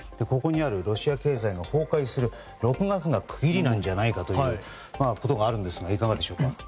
ここにあるロシア経済が崩壊する６月が区切りなんじゃないかということがあるんですがいかがでしょうか？